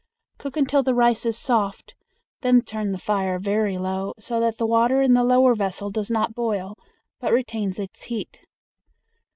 Cook until the rice is soft, then turn the fire very low, so that the water in the lower vessel does not boil but retains its heat.